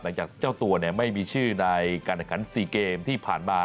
หลังจากเจ้าตัวไม่มีชื่อในการระกัน๔เกมที่ผ่านมา